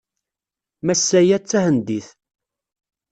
Massa-a d tahendit.